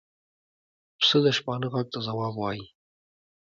پسه د شپانه غږ ته ځواب وايي.